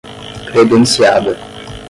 credenciada